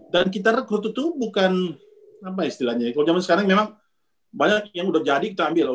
dan kita rekrut itu bukan apa istilahnya ya kalau zaman sekarang memang banyak yang udah jadi kita ambil